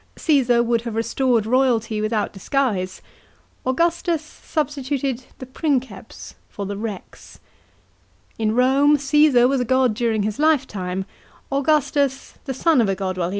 Caesar would have restored royalty without disguise ; Augustus substituted the princeps for the rex. In Rome, Caesar was a god during his lifetime ; Augustus the son of a god when he lived, a god only after death.